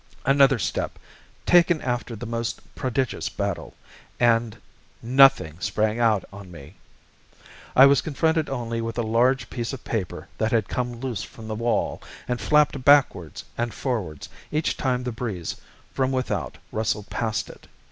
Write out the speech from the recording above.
Another step taken after the most prodigious battle and NOTHING sprang out on me. I was confronted only with a large piece of paper that had come loose from the wall, and flapped backwards and forwards each time the breeze from without rustled past it.